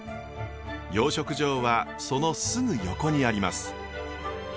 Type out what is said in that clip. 養殖場はそのすぐ横にあります。